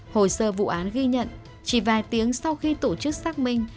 hồ sơ vụ án ghi nhận chỉ vài tiếng sau khi tổ chức xác minh